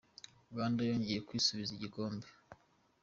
Uganda yongeye kwisubiza igikombe